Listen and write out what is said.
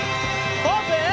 ポーズ！